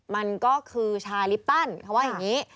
มันก็คือชาลิปตันเขาว่าอย่างนี้